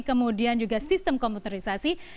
kemudian juga sistem komputerisasi